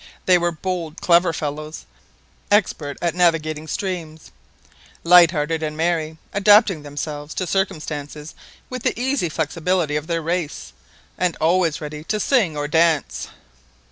They were bold, clever fellows, expert at navigating streams, light hearted and merry, adapting themselves to circumstances with the easy flexibility of their race, and always ready to sing or dance."